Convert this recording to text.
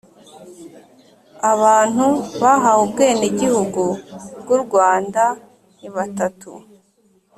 Abantu bahawe Ubwenegihugu bw’ u Rwanda nibatatu